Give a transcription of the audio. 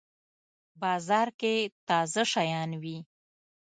بازار کی تازه شیان وی